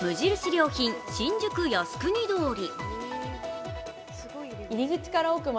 良品新宿靖国通り。